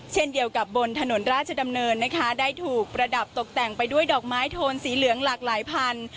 เช่นเดียวกับบนถนนราชดำเนินนะคะได้ถูกประดับตกแต่งไปด้วยดอกไม้โทนสีเหลืองหลากหลายพัน